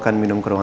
kenapa jangan clark